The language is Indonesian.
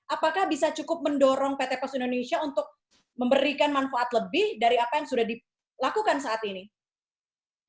apakah bisa cukup mendorong pt pos indonesia untuk memberikan manfaat lebih dari apa yang sudah dilakukan saat ini